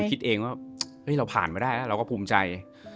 คิดเองว่าเราผ่านมาได้แล้วเราก็ภูมิใจ